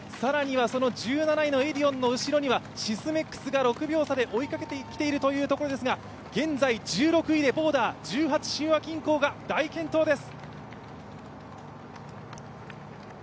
その１７位のエディオンの後ろにはシスメックスが６秒差で追いかけている状況ですが現在１６位でボーダー、十八親和銀行が大健闘です。